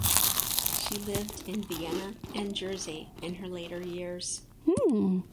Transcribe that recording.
She lived in Vienna and Jersey in her later years.